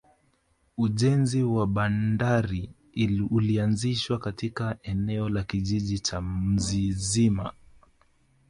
ujenzi wa bandari ulianzishwa katika eneo la kijiji cha mzizima